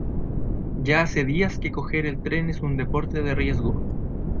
Ya hace días que coger el tren es un deporte de riesgo.